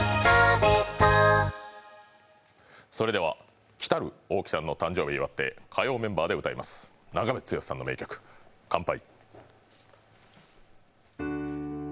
それでは来る大木さんの誕生日を祝って火曜メンバーで歌います、長渕剛さんの名曲「乾杯」。